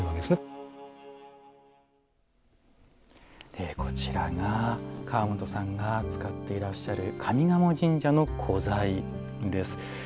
例えばこちらが川本さんが使っていらっしゃる上賀茂神社の古材です。